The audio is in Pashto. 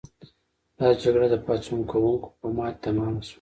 دا جګړه د پاڅون کوونکو په ماتې تمامه شوه.